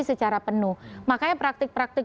secara penuh makanya praktik praktik